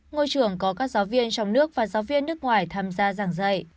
ngôi trường có các giáo viên trong nước và giáo viên nước ngoài tham gia giảng dạy